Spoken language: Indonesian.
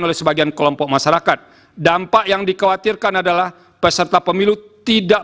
oleh sebagian kelompok masyarakat dampak yang dikhawatirkan adalah peserta pemilu tidak